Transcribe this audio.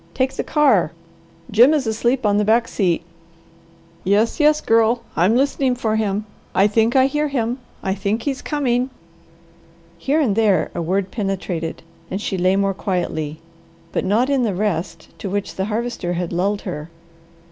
Take the car! Jim is asleep on the back seat Yes, yes, Girl! I'm listening for him. I think I hear him! I think he's coming!" Here and there a word penetrated, and she lay more quietly, but not in the rest to which the Harvester had lulled her.